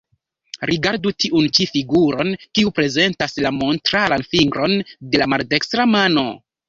Rigardu tiun ĉi figuron, kiu prezentas la montran fingron de la maldekstra mano.